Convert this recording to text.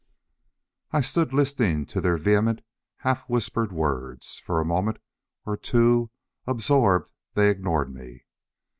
I stood listening to their vehement, half whispered words. For a moment or two, absorbed, they ignored me.